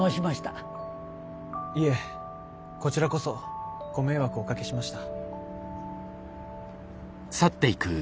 いえこちらこそご迷惑をおかけしました。